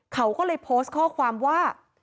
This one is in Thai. เขาก็เลยโพสต์ข้อความว่า